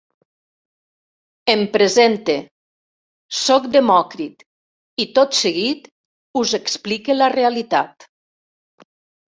Em presente, soc Demòcrit i tot seguit us explique la realitat.